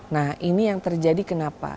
nah ini yang terjadi kenapa